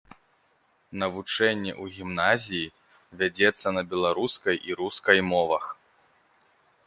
Навучэнне ў гімназіі вядзецца на беларускай і рускай мовах.